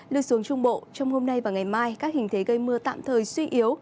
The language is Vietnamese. lưu xuống trung bộ trong hôm nay và ngày mai các hình thế gây mưa tạm thời suy yếu